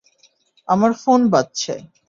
আমার ফোন বাজছে।